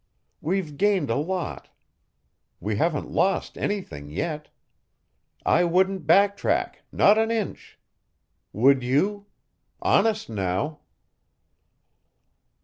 We've gained a lot. We haven't lost anything yet. I wouldn't back track, not an inch. Would you honest, now?"